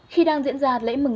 khi đang diễn ra lễ mừng